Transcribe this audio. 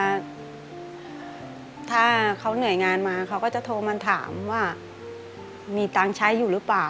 ถ้าเขาเหนื่อยงานมาเขาก็จะโทรมาถามว่ามีตังค์ใช้อยู่หรือเปล่า